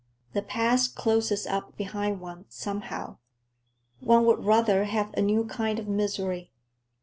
The past closes up behind one, somehow. One would rather have a new kind of misery.